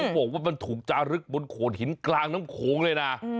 บอกว่ามันถูกจารึกบนโขดหินกลางน้ำโขงเลยนะ